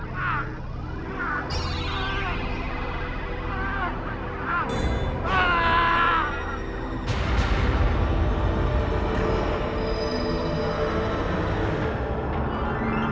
jangan semoga iniomasium